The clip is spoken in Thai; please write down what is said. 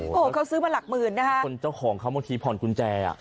โอ้โหเขาซื้อมาหลักหมื่นนะฮะคนเจ้าของเขาบางทีผ่อนกุญแจอ่ะ